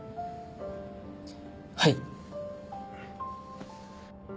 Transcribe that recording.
はい！